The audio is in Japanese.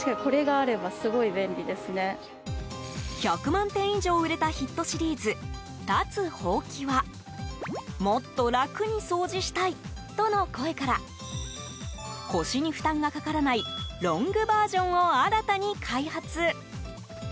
１００万点以上売れたヒットシリーズ、立つほうきはもっと楽に掃除したいとの声から腰に負担がかからないロングバージョンを新たに開発。